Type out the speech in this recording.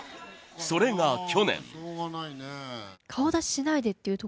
それが去年。